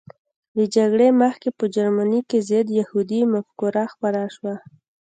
له جګړې مخکې په جرمني کې ضد یهودي مفکوره خپره شوه